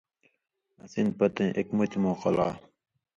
اَسی نہ پتَیں اېک مُتیۡ موقع لا